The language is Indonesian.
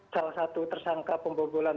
salah satu tersangka pembobolan